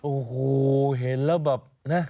โอ้โหเห็นแล้วแบบนะ